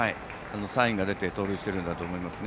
サインが出て盗塁しているんだと思います。